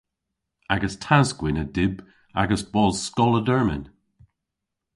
Agas tas-gwynn a dyb agas bos skoll a dermyn.